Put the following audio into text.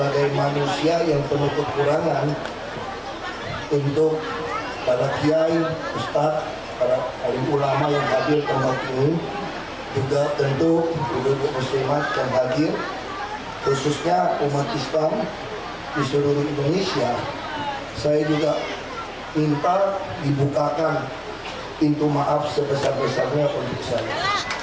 di suruh indonesia saya juga minta dibukakan pintu maaf sebesar besarnya untuk saya